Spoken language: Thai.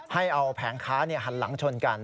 ให้เอาแผงค้าหันหลังชนกัน